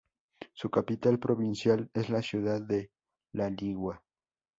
Su capital provincial es la ciudad de La Ligua.